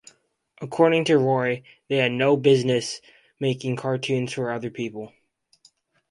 According to Roy, they had no business making cartoons for other people.